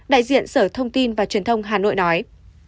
đại diện sở thông tin và truyền thông hà nội nói